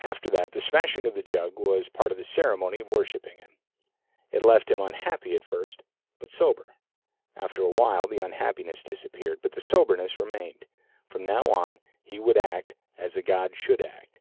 After that, the smashing of the jug was part of the ceremony of worshipping him. It left him unhappy at first, but sober. After awhile, the unhappiness disappeared, but the soberness remained. From now on, he would act as a god should act.